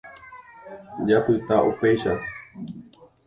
Japyta upéicha.